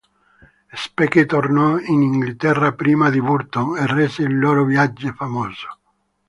Speke tornò in Inghilterra prima di Burton, e rese il loro viaggio famoso.